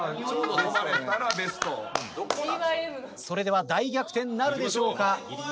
それでは大逆転なるでしょうか？